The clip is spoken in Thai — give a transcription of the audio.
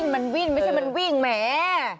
มันวิ่งไม่ใช่มันวิ่งแหม